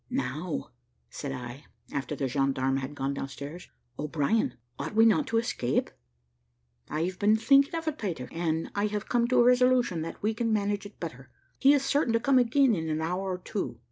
"Now," said I, after the gendarme had gone down stairs, "O'Brien, ought we not to escape?" "I've been thinking of it, Peter, and I have come to a resolution that we can manage it better. He is certain to come again in an hour or two.